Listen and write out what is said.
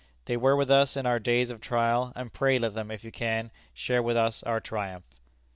They were with us in our days of trial, and pray let them, if you can, share with us our triumph."